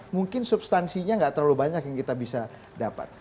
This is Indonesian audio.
mungkin substansinya nggak terlalu banyak yang kita bisa dapat